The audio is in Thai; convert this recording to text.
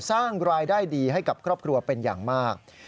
สร้างรายได้ดีให้กับครอบครัวเป็นอย่างมาก